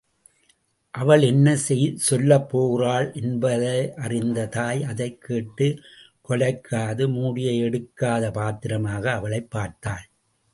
அவள் என்ன சொல்லப்போகிறாள் என்பது அறிந்த தாய் அதைக் கேட்டுத் கொலைக்காது மூடியை எடுக்காத பாத்திரமாக அவளைப் பார்த்தாள்.